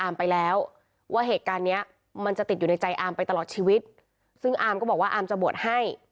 ในใจอาร์มไปตลอดชีวิตซึ่งอาร์มก็บอกว่าอาร์มจะบวชให้